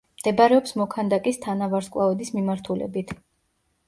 მდებარეობს მოქანდაკის თანავარსკვლავედის მიმართულებით.